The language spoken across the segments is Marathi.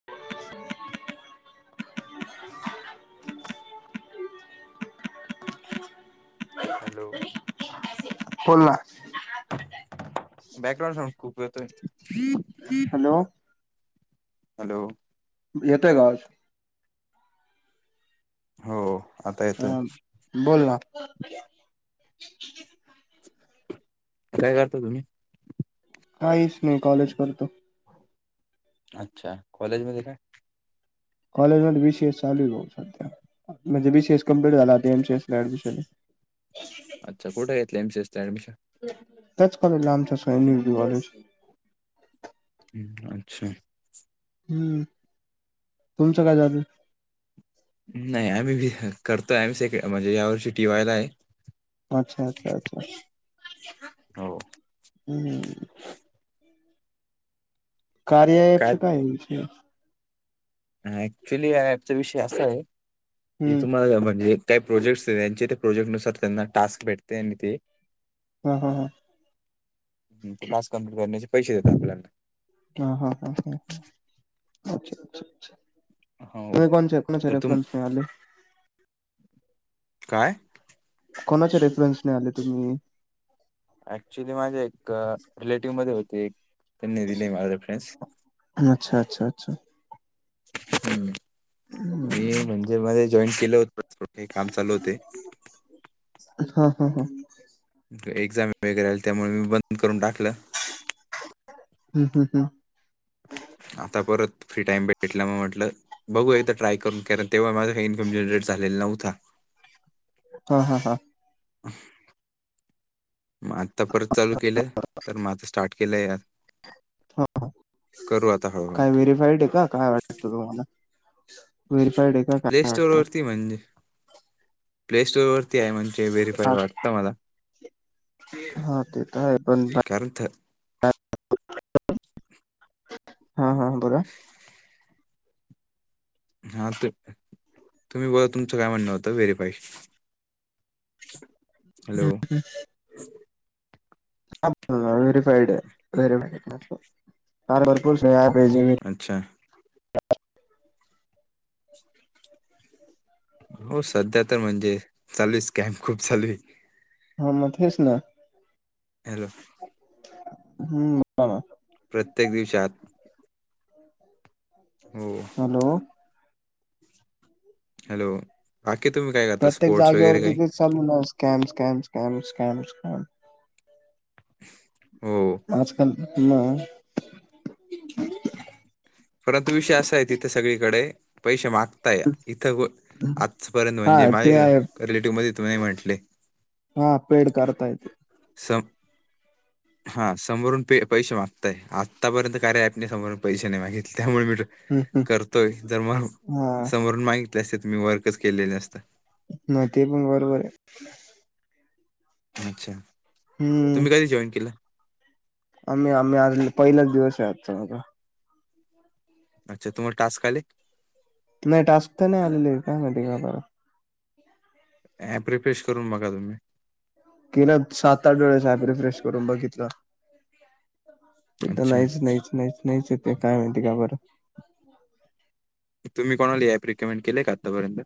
[inaudible] हॅलो. बोला बॅकग्राउंड साउंड खूप येतोय. हॅलो. हॅलो. येतोय का आवाज? हो आता हा येतोय. बोल ना. काय करता तुम्ही? काहीच नाही कॉलेज करतो. अच्छा, कॉलेजमध्ये काय? कॉलेजमध्ये बी सी एस चालू आहे. ओ सध्या. म्हणजे बी सी एस कंप्लीट झाल. आता एम सी एस ला ऍडमिशन अच्छा कुठ घेतले एम सी एस ला ऍडमिशन. त्याच कॉलेज ला आमच्या [unintelligible] अच्छा हम्म तुमचं काय चालू आहे? नाय आम्ही भी करतोय, आम्ही सेकंड म्हणजे या वर्षी टी वाय ला आहे. अच्छा अच्छा अच्छा हो. हम्म. कार्या ॲपचं काय काय विषय? ह ऍक्च्युअली ह्या ऍपचा विषय असा आहे, की हम्म तुम्हाला म्हणजे काही प्रोजेक्ट्स आहेत यांचे त्या प्रोजेक्ट नुसार त्यांना टास्क भेटते, आणि ते हा हा हा. टास्क कम्प्लीट करण्याचे पैसे देतात आपल्याला. हा हा हा हा अच्छा अच्छा अच्छा. हो. तुम्ही कोणच्या कुणाच्या तर तुम रेफरन्स ने आले? काय? कोणाच्या रेफरन्सने आले तुम्ही? ऍक्च्युली माझे एक अ रिलेटिव्ह मध्ये होते, त्यांनी दिले माझ रेफरन्स. अच्छा अच्छा अच्छा. हम्म मी म्हणजे माझ जॉईन केलं होत, काम चालू होते. हा हा हा. एक्झाम वगैरे आलत्या म्हणून मी बंद करून टाकल. हम् हम् हम् आता परत फ्री टाइम भेटला मग म्हटलं बघू एकदा ट्राय करून कारण तेव्हा माझा इन्कम जनरेट झालेला नव्हता. हा हा हा. [inaudible] मग आत्ता परत चालू केल, तर म आता स्टार्ट केल यार. हा हा करू आता हळूहळू. काय व्हेरीफाईड हाय का काय वाटत तुम्हाला व्हेरीफाईड हाय का काय वाटतं ती म्हणजे प्ले स्टोर वरती आहे म्हणजे व्हेरीफाई हा वाटत मला हा ते तर आहे पण व्यर्थ हा हा बोला हा ते तुम्ही बोला तुमचं काय म्हणणं होतं verify [inaudible] hello app verified hi verified अस [unintelligible] अच्छा हो सध्या तर म्हणजे चालूय स्कॅम खूप चालूय हो मग हेच ना हॅलो हू बोला प्रत्येक विषयात हो हॅलो हॅलो बाकी तुम्ही काय करता स्पोर्ट्स वगैरे काही चल मनु scam scam scam scam scam हो आजकाल ना परंतु विषय असा आहे तिथे सगळीकडे पैसे माग ताय इथं आजपर्यंत हा म्हणजे ते माझे आहे रिलेटिव्ह मध्ये तुम्ही म्हटले हा पेड करतायेत स हा समोरून पे पैसे मागताय आत्तापर्यंत कार्या अँप ने समोरून पैसे नाही मागितले त्यामुळे मी हम्म, हम्म. करतोय जर मग हा समोरून मागितले असते तर मी वर्कच केले नसते म ते पण बरोबरये अच्छा हम्म तुम्ही कधी जॉईन केलं आम्ही आम्ही आ पहिलाच दिवस हाय आजचा माझा [inaudible] अच्छा तुम्हाला टास्क आले नाही टास्क तर नाही आलेले काय माहिती का आता अँप रिफ्रेश करून बघा तुम्ही केलं सात आठ वेळेस अँप रिफ्रेश करून बघितलं ते तर अच्छा नाहीच नाहीच नाहीच नाहीच येतय काय माहिती का बरं तुम्ही कोणाला ही अँप रीकमेंड केलंय का आतापर्यंत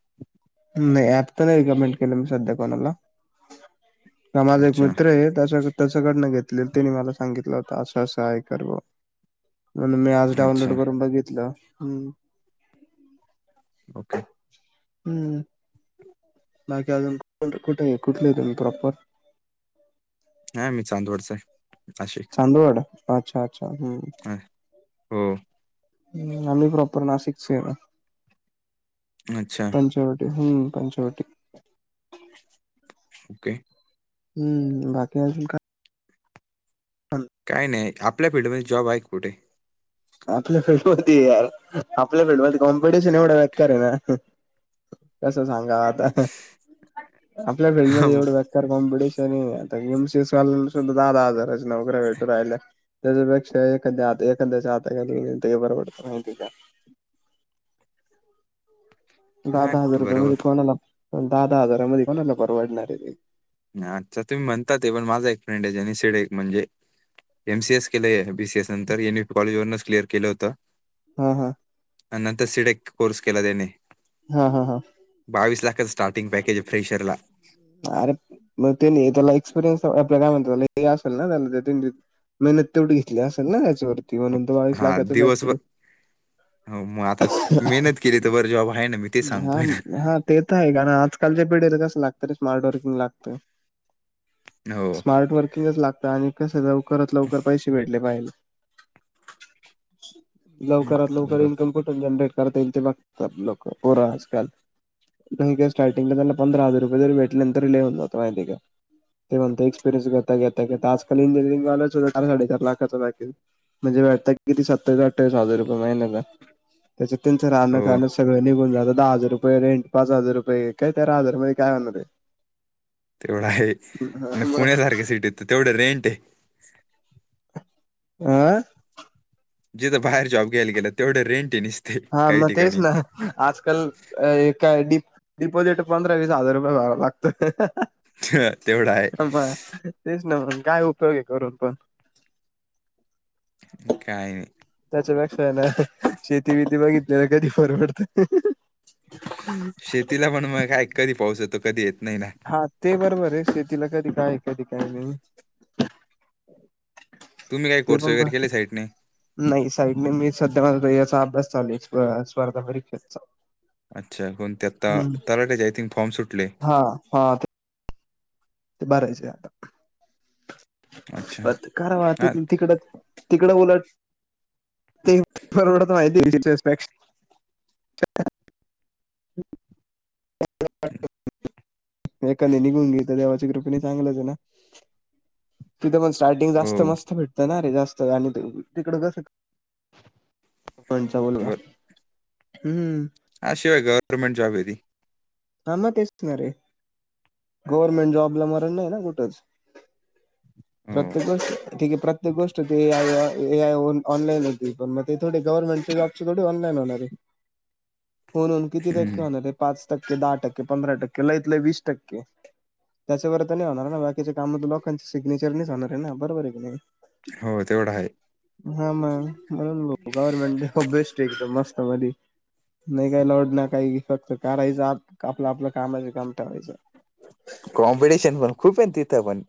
नाही अँप तर नाही रिकमेंड केलं मी सध्या कोणाला हा माझा एक अच्छा मित्रये त्याच्या तसं कडण घेतले त्यांने मला सांगितलं होत असं असं आहे कर म्हणून मी आज अच्छा डाऊनलोड करून बघितलं ओके हू बाकी अजून कुट कुटले तुम्ही प्रॉपर हाय मी चांदवडचा हाय नाशिक चांदवड, अच्छा अच्छा हम्मं अ, हो आम्ही प्रॉपर नाशिकच हेय अच्छा, पंचवट हम्म पंचवटी ओके. हम्म अजून काय? [unintelligible] काय नाही आपल्या फिल्डमध्ये जॉब आहेत कुठे आपल्या फीलल्ड मध्ये यार, आपल्या फील्ड मध्ये कॉम्पिटिशन एवढं बेकार हे ना कस सांगा आता, आपल्या फील्ड मध्ये एवढं बे कॉमपिटिशन हेय, आता एम सी एस वाल्यान सुद्धा दहा दहा हजाराच्या नोकऱ्या भेटू राहिल्या त्याच्यापेक्षा एखाद्या, एखाद्याच्या हाताखाली तेच्या बरोबर माहिती घ्या दहा, हां, दहा हजार रुपया बरोबर. मध्ये कोणाला दहा दहा हजारामध्ये कोणाला परवडणार आहे ते अ्, आता तुम्ही म्हणतात ते पण माझा एक फ्रेंड हाय ज्यानी सेडेक म्हणजे एम सी एस केलंय बी सी एस नंतर यांनी कॉलेजवरनच क्लिअर केलं होतं हा हा आणि नंतर सिडेक कोर्स केला त्याने हा, हा, हा बावीस लाखांच स्टार्टिंग पॅकेज हे फ्रेशरला अरे, मग त्यानी त्याला एक्सपिरियन्स आपल्या काय म्हणतात ते असेल ना [unintelligible] मेहनत तेवढी घेतली असेल ना त्याच्यावरती हो. म्हणून तर बावीस हां, लाखाच बॅक दिवसभर किती हो मग आता मेहनत केली तर बरं जॉब आहे ना, मी ते सांगतोय ना. तेे तर आहे कारण आजकालच्या पिढीला कसं लागत स्मार्टवर्किंग लागतं हो, स्मार्ट वर्किंगच लागतं आणि कसे लवकरात, लवकर पैसे भेटले पाहिजे हं, लवकर लवकर बरोबर. इन्कम कुठून जनरेट करता येईल ते बघतात लोकं पुरं आजकाल नाही का स्टार्टिंगला त्यांला पंधरा हजार रुपय जरी भेटल ना तरी लई होऊन जात माहितीय का ते म्हणत एक्सपिरियन्स घेता, घेता, घेता आजकाल इंजिनिअरिंगवाल्याच सुद्धा चार, साडे चार लाखाचे पॅकेज म्हणजे भेटत किती सत्तावीस, अठ्ठावीस हजार रुपये महिण्याला, त्येच्यात तुमचं राहणं, हो, खाण सगळं निघून जात, दहा हजार रुपये रेंट, पाच हजार रुपये काय तेरा हजार मध्ये काय तेराहजारमध्ये होणार हे तेवढा आहे म पुण्यासारख्या सिटी तर तेवढं रेंट हेय आं जिथ बाहेर जॉब घ्यायला गेलं तेवढं रेंट हे नुसतं हा म तेच ना आजकाल हे काय, डि, डिपोजिट पंधरा वीस हजार रुपये लागत तेवढं आहे [unintelligible] तेच ना, मग काय उपयोग हे करून पण कायं त्याच्यापेक्षा आहे ना, शेती -बिती बघितली तर कधी परवडत शेतीला पण मग काय कधी पाऊस होतो कधी येत नाही ना हा ते बरोबर आहे शेतीला कधी काय कधी काय नाही तुम्ही काय ते कोर्स पण वैगेरे बर. केले साईटने नाही साईडने मी सध्या माझा याचा अभ्यास चालूयं स्पर्धा परीक्षेचा अच्छा कोणत्या आता हम्म. तलाट्याचे आय थिंक फॉर्म सुटले हा हा ते ते भरायचे आता अच्छा पत, करा वाहते हा ते तिकडच तिकडे उलट, ते परवडत नाय ते [unintelligible] [unintelligible] मग एखाद निघून गेलतर तर देवाची कृपेने चांगलच आहे ना. तिथं पण स्टार्टिंग जास्त हो मस्त भेटतं ना रे जास्त, आणि तिकडं कसं कोनचा बोलवा, बर हम्म. हा शिवाय गवर्नमेट जॉब हाय ती. हां मग तेच ना रे,, गव्हर्मेंट जॉबला मरण नाही ना कुठंच. हो प्रत्येक गोष्ट, ठीक आहे प्रत्येक गोष्ट ते ऑनलाईन होती, पण मग ते थोडी गव्हर्नमेंटच्या जॉबच्या थोडी ऑनलाईन होणार आहे. हुनहुन किती टक्के हम्म. होणारे, पाच टक्के, दहा टक्के, पंधरा टक्के लई त लई वीस टक्के. त्याच्यावर तर नाही होणार ना, बाकीच्या कामं तर लोकांचे सिग्नेचरनीच होणार आहे ना, बरोबर आहे की नाही. हो तेवढं आहे हा मग, म्हणून बघ. गवर्नमेंट बेस्ट एकदम मस्त मधी. नाही काही लोड ना काही, फक्त करायचं आपलं आपलं कामाशी काम ठेवायचं. कॉम्पिटिशन पण खूप आहे तिथं पण.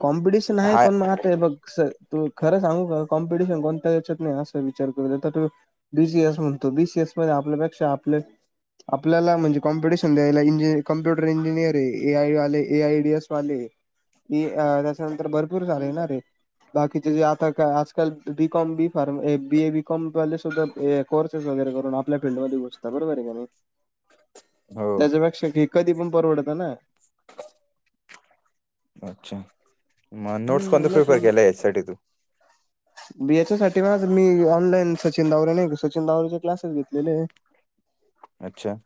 कॉम्पिटिशन आहे, हाय पण आता हे बघ असं,, तूला खरं सांगू का, कॉम्पिटिशन कोणत्या याच्यात नाही, असं विचार करू, आता तू बी सी एस म्हणतो, बी सी एस मध्ये आपल्यापेक्षा आपले आपल्याला म्हणजे कॉम्पिटिशन द्यायला इंजिनीरिंग कॉम्प्युटर इंजिनिरिग य,,, ए आय ले ए आय डी एस वाले डि अ त्याच्यानंतर भरपूर झालय ना रे. बाकीचे जे आता काय, आजकाल B com B pharm B A B com वाले सुद्धा कोर्सेस वगैरे करून आपल्या फील्ड मध्ये घुसतात, बरोबर आहे का नाही. हो त्याच्यापेक्षा के कधी पण परवडतं ना. अच्छा,, मग नोट्स हम्म कोणतं उलट प्रेफर केला याच्यासाठी तू.? बी एस ए साठी माझं मी ऑनलाईन सचिन दावरने सचिन दावरचे क्लासेस घेतलेले आहे. [inaudible] अच्छा.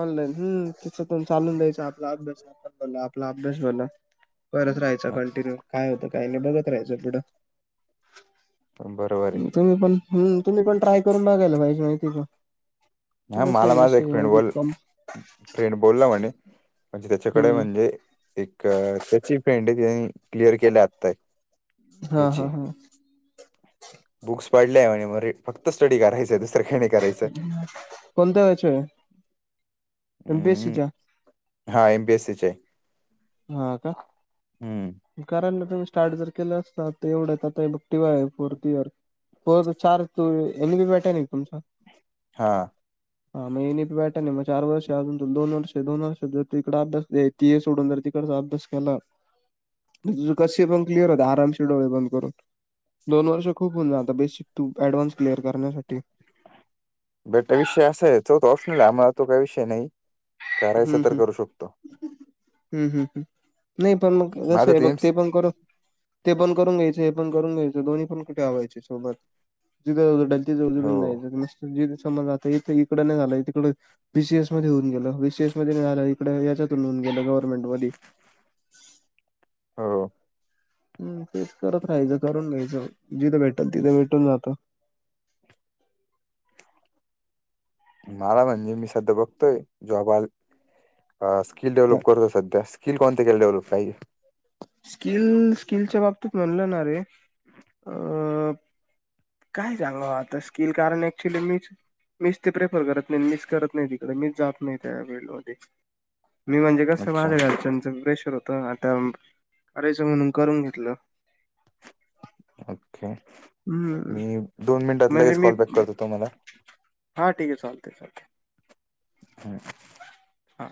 ऑनलाईन हम्म,, त्याच पण चालून द्यायच आपलं आपलं,,, अभ्यास आपण भला आपला अभ्यास भला. करत राहायचा हा, कंटिन्यू, काय होतं काय नाही बघत रहायचं पुढं. बरोबर ए. हम्म, तुम्ही पण हम्म,, तुम्ही पण ट्राय करून बघायला पाहिजे माहितीयी का ते हा कसं मला आहे माझा एक विषय फ्रेंड माहिती का, कम बोलला फ्रेंड बोलला म्हणे,, म्हणजे त्याच्याकडे हम्म म्हणजे एक त्याची फ्रेंड आहे त्यनी, क्लिअर केल्या आत्ताय हा याची,,, हा हा बुक्स पाडल्या आहे म्हणे फक्त स्टडी करायचं,,, दुसरे काही नाही कोणत्या ह्याचे आहे? एमपीएससी हम्म च्या. हा एमपीएससी चय. हा का? हम्म करायला तुम्ही स्टार्ट जर केलं असतं, तर एवढंच आता बुटिव आहे फोर्थ इयर फोर चार्ज तू एमी बी बॅटर आहे का तुमचा? हां. [inaudible] हां मग एन इ पी पॅटर्न आहे मग चार वर्ष, अजून दोन वर्ष दोन वर्ष जर तिकडे ती सोडून जर जर तू अभ्यास केला. तुझं कसे पण क्लिअर होता. आरामशिर डोळे बंद करून. दोन वर्ष खूप होऊन जाता. बेसिक टू ऍडव्हान्स क्लिअर करण्यासाठी. बेटा विषय असाय तो तर ऑप्शनल आहे, आम्हाला तो काही विषय नाही करायचा हम्म तर हम्म करू शकतो. हम्म हम्म हम्म, अं, हु, हु नाही पण मग कसं माझं हे बघ एम्स ते पण करून ते पण करून घ्यायचं, हे पण करून घ्यायचं, दो्ही पण कुठे व्हायचे सोबत जिथं अवडल हो [unintelligible] सता इकड नाही झालं, तकड बी सी एस मध्ये होऊन गेल, बी सी एस मध्ये झालं, इकडे याच्यात होऊन गेलू गव्हर्नमेंट मधी हो, हं तेच करत राहायचं, करून घ्यायचं जिथं भेटल तिथं भेटून जातं. मला म्हणजे मी सध्या बघतोय, जॉब आल हा स्किल डेव्हलप करतो सध्या, स्किल कोणते केलं त डेव्हलप राहिल? स्किल, स्किलच्या बाबतीत म्हणलंणारे. अ काय सांगु आता स्किल कारण ऑच्युली मीच मिच ते प्रेफर करत नाही, मिच करत नाही तिकडं मीच जात नाही, त्या फिल्ड मध्ये. मी म्हणजे कसं अच्छा माझ्या घरच्यांच प्रेशर होत. त आता करायचं म्हणून करून घेतलं. ओके, हम्म मी दोन मिनिटात लगेच कॉल बॅक करतो तुम्हाला. हां ठीके चालतयं -चालतयं. हा, हा,